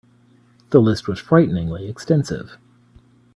The list was frighteningly extensive.